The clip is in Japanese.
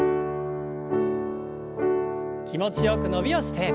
気持ちよく伸びをして。